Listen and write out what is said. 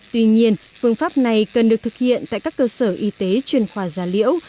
tuy nhiên phương pháp này cần được thực hiện tại các cơ sở y tế chuyên khoa gia liễu